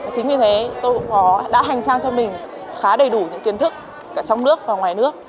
chính vì thế tôi cũng có đã hành trang cho mình khá đầy đủ những kiến thức cả trong nước và ngoài nước